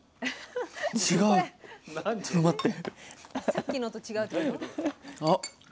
ちょっと待って。